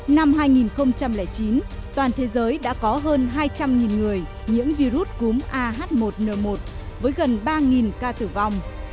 năm hai nghìn chín toàn thế giới đã có hơn hai trăm linh người nhiễm virus cúm ah một n một với gần ba ca tử vong